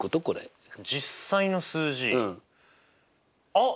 あっ！